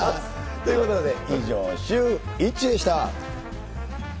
ということで、以上、シューＷｈｉｃｈでした。